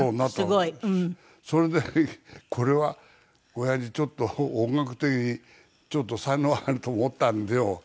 すごい。それでこれはおやじちょっと音楽的にちょっと才能あると思ったんでしょう。